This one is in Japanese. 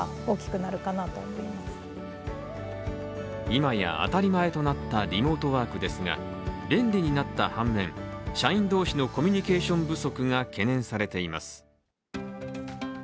いまや当たり前となったリモートワークですが便利になった反面、社員同士のコミュニケーション不足が懸念されています。